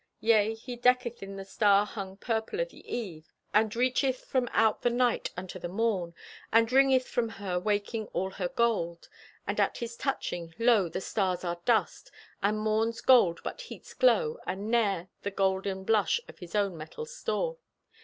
Yea, he decketh in the star hung purple o' the eve, And reacheth from out the night unto the morn, And wringeth from her waking all her gold, And at his touching, lo, the stars are dust, And morn's gold but heat's glow, and ne'er The golden blush of His own metal store.